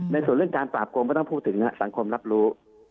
ในส่วนเรื่องการปราบโกงก็ต้องพูดถึงสังคมรับรู้